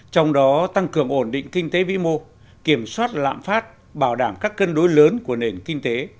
trong đó tăng cường ổn định kinh tế vĩ mô kiểm soát lạm phát bảo đảm các cân đối lớn của nền kinh tế